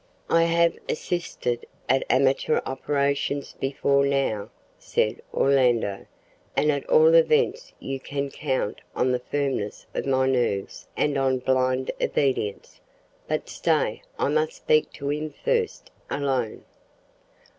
"I have assisted at amateur operations before now," said Orlando, "and at all events you can count on the firmness of my nerves and on blind obedience. But stay I must speak to him first, alone."